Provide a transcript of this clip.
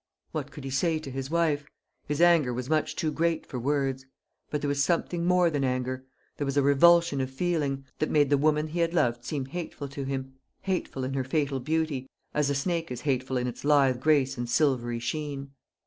What could he say to his wife? His anger was much too great for words; but there was something more than anger: there was a revulsion of feeling, that made the woman he had loved seem hateful to him hateful in her fatal beauty, as a snake is hateful in its lithe grace and silvery sheen.